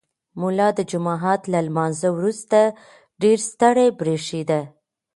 ملا د جومات له لمانځه وروسته ډېر ستړی برېښېده.